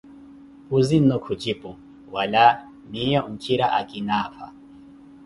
Puuzi-nnu khucipu: Wala miiyo nkhira akina apha.